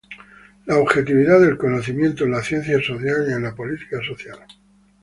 La objetividad del conocimiento en la ciencia social y en la política social.